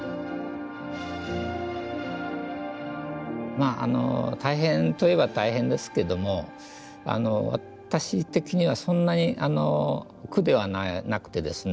まああの大変といえば大変ですけども私的にはそんなに苦ではなくてですね